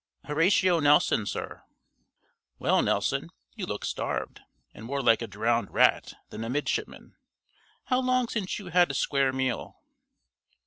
"Horatio Nelson, sir." "Well, Nelson, you look starved, and more like a drowned rat than a midshipman. How long since you had a square meal?"